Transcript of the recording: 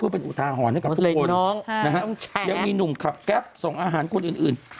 เป็นอุทาหรณ์ให้กับทุกคนยังมีหนุ่มขับแก๊ปส่งอาหารคนอื่น